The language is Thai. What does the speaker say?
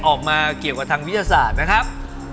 ออกมาเกี่ยวกับทางวิทยาศาสตร์นะครับ